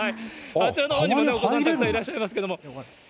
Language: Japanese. あちらのほうにもたくさんいらっしゃいますけれども。